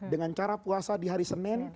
dengan cara puasa di hari senin